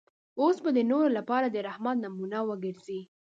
اوس به دی د نورو لپاره د رحمت نمونه وګرځي.